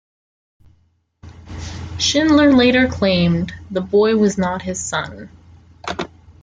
Schindler later claimed the boy was not his son.